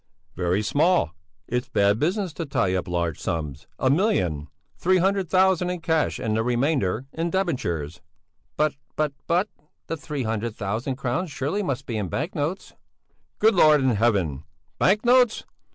"Very small! It's bad business to tie up large sums. A million! Three hundred thousand in cash and the remainder in debentures." "But but but! The three hundred thousand crowns surely must be in bank notes!" "Good Lord in Heaven! Bank notes?